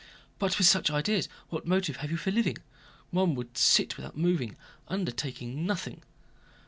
"But with such ideas what motive have you for living? One would sit without moving, undertaking nothing...."